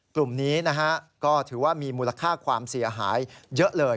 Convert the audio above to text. กลุ่มนี้นะฮะก็ถือว่ามีมูลค่าความเสียหายเยอะเลย